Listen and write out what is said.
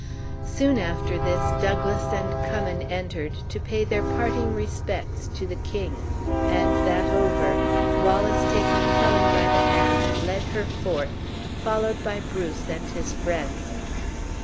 Soon after this, Douglas and Cummin entered, to pay their parting respects to the king; and that over, Wallace taking Helen by the hand, led her forth, followed by Bruce and his friends.